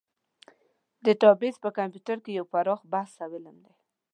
ډیټابیس په کمپیوټر کې یو پراخ بحث او علم دی.